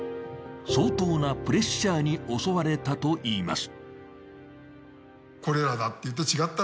相当なプレッシャーに襲われたといいます。